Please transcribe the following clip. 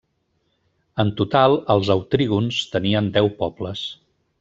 En total, els autrígons tenien deu pobles.